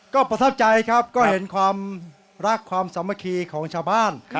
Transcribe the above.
ก็ประทับใจครับก็เห็นความรักความสามัคคีของชาวบ้าน